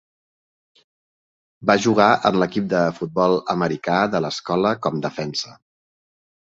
Va jugar en l'equip de futbol americà de l'escola com defensa.